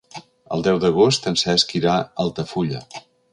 El deu d'agost en Cesc irà a Altafulla.